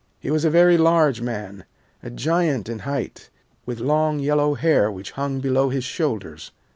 "He was a very large man, a giant in height, with long yellow hair which hung below his shoulders.